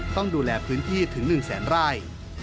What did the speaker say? ต้องดูแลพื้นที่ถึง๑แสนไร่